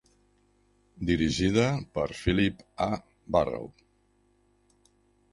Dirigida per Philip A. Burrows.